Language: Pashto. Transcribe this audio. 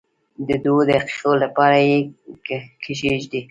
د دوو دقیقو لپاره یې کښېږدئ.